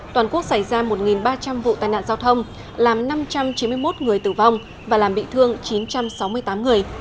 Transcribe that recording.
toàn quốc xảy ra một ba trăm linh vụ tai nạn giao thông làm năm trăm chín mươi một người tử vong và làm bị thương chín trăm sáu mươi tám người